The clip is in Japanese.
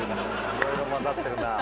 いろいろ混ざってるなあ。